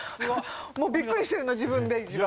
もうビックリしてるの自分で一番。